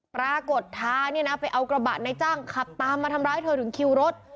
ปรากฏท้าเนี่ยนะไปเอากระบะในจ้างขับตามมาทำร้ายเธอถึงคิวรถ